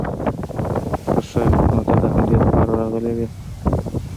خه خه نو ته د همدې د پاره راغلې وې؟